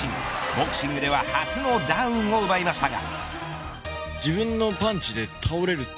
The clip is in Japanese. ボクシングでは初のダウンを奪いましたが。